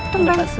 tunggu pak suri